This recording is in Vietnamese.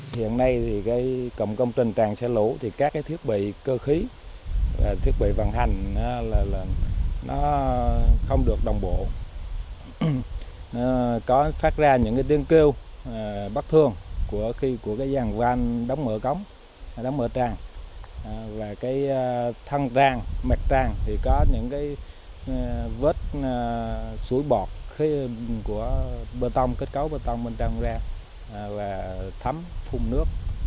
theo quan sát thực tế hiện tràn xả lũ đang xuất hiện hiện tượng thấm và phun nước